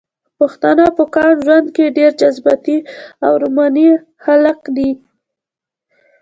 پښتانه په عام ژوند کښې ډېر جذباتي او روماني خلق دي